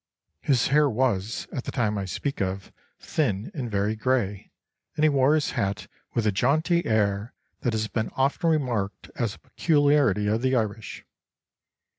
His hair was, at the time I speak of, thin and very gray, and he wore his hat with the jaunty air that has been often remarked as a peculiarity of the Irish.